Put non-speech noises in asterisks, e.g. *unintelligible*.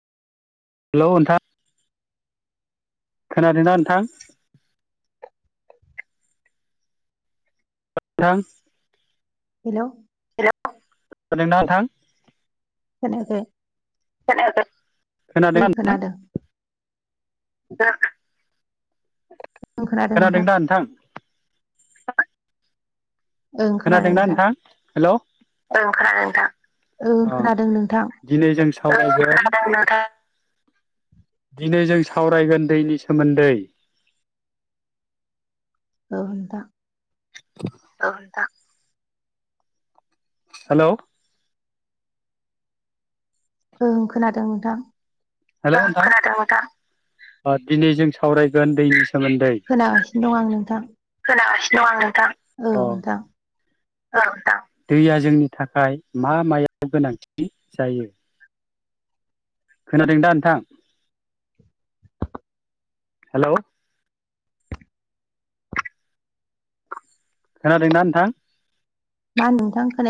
हेल' नोंथां। खोनादोंना नोंथां। थां हेल्ल'। *unintelligible* खोनायाखै। ओं *unintelligible* खोनादों। ओं खोनादों नोंथां *unintelligible* ओं खोनादों खोनादोंना नोंथां हेल' औ खोनादों नोंथां। ओं अ खोनादों नोंथां। दिनै जों सावरायगोन। दिनै जों सावरायगोन दैनि सोमोन्दै। औ नोंथां। औ नोंथां। हेल्ल'। ओं खोनादों नोंथां। हेल्ल' नोंथां खोनादों नोंथां दिनै जों सावरायगोन दैनि सोमोन्दै। खोनागासिनो दं आं नोंथां। खोनागासिनो दं आं नोंथां। औ नोंथां औ नोंथां दैया जोंनि थाखाय मा मायाव गोनांथि जायो। खोनादों दा नोंथां हेल्ल'। खोनादों ना नोंथां। मा नोंथां खोनाय